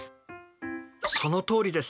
そのとおりですよ！